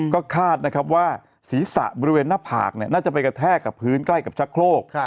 ก็คาดนะครับว่าศีรษะบริเวณหน้าผากน่าจะไปกระแทกกับพื้นใกล้กับชักโครก